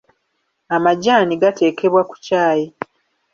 Amajaani gateekebwa ku ccaayi.